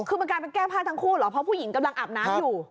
คือมันกลายเป็นแก้ผ้าทั้งคู่เหรอเพราะผู้หญิงกำลังอาบน้ำอยู่